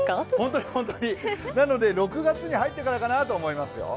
なので６月に入ってからかなと思いますよ。